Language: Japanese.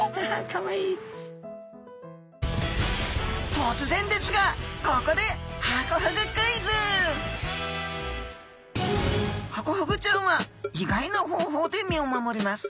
とつぜんですがここでハコフグちゃんは意外な方法で身を守ります。